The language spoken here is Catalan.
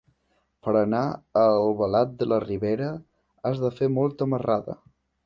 Per anar a Albalat de la Ribera has de fer molta marrada.